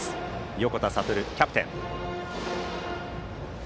横田悟キャプテン。